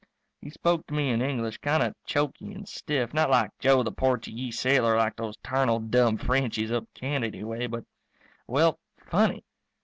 He spoke to me in English, kind of choky and stiff, not like Joe the Portygee sailor or like those tarnal dumb Frenchies up Canady way, but well, funny.